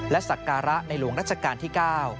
และสักการะในหลวงรัชกาลที่๙